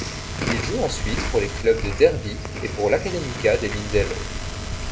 Il joue ensuite pour les clubs de Derby et pour l'Académica de Mindelo.